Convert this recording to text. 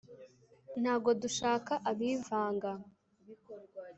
ntago dushaka abivanga